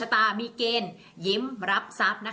ส่งผลทำให้ดวงชะตาของชาวราศีมีนดีแบบสุดเลยนะคะ